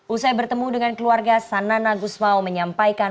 usai bertemu dengan keluarga sanana agus mau menyampaikan